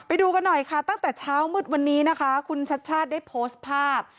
ไปดูกันหน่อยค่ะตั้งแต่เช้ามืดวันนี้นะคะคุณชัดชาติได้โพสต์ภาพ